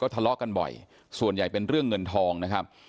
ทะเลาะกันบ่อยส่วนใหญ่เป็นเรื่องเงินทองนะครับ